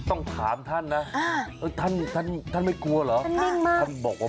โอ้มายก็อด